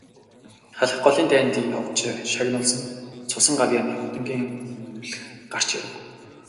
Халх голын дайнд явж шагнуулсан цусан гавьяаны одонгийн нь үнэмлэх гарч ирэв.